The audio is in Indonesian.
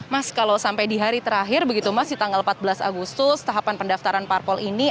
mas kalau sampai di hari terakhir begitu mas di tanggal empat belas agustus tahapan pendaftaran parpol ini